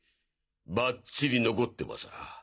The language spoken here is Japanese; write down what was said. ばっちり残ってまさぁ。